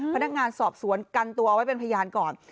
พนักงานสอบสวนกันตัวไว้เป็นพยานก่อน